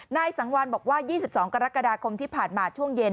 นายสังวัลบอกว่า๒๒กรกฎาคมที่ผ่านมาช่วงเย็น